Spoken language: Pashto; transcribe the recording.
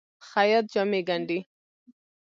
خیاط جامې ګنډي.